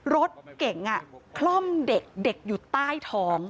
รถเก่งเคล้อมเด็กอยู่ใต้ท้อง